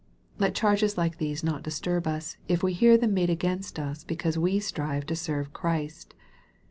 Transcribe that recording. Let charges like these not disturb us, if we hear them made against us because we strive to serve Christ.